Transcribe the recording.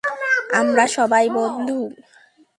আমরা সবাই বন্ধু।